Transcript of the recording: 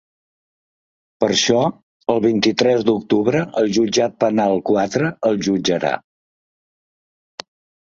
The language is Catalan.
Per això, el vint-i-tres d’octubre el jutjat penal quatre el jutjarà.